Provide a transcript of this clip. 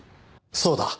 そうだ。